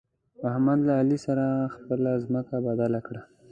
احمد له علي سره خپله ځمکه بدله کړه.